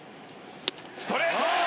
ストレート。